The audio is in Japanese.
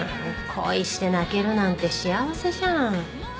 恋して泣けるなんて幸せじゃん。